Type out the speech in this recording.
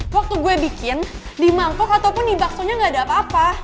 waktu gue bikin dimangkok ataupun dibakso nya gak ada apa apa